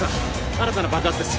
新たな爆発です！